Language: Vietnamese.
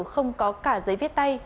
không có cả giấy viết tay